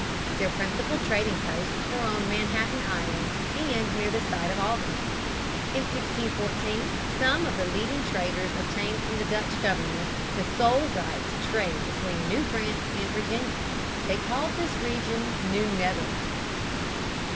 Their principal trading posts were on Manhattan Island, and near the site of Albany. In 1614 some of the leading traders obtained from the Dutch government the sole right to trade between New France and Virginia. They called this region New Netherland.